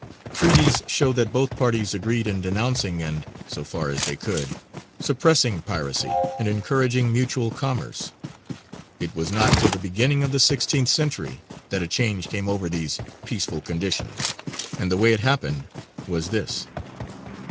Treaties show that both parties agreed in denouncing and (so far as they could) suppressing piracy and encouraging mutual commerce. It was not till the beginning of the sixteenth century that a change came over these peaceful conditions, and the way it happened was this.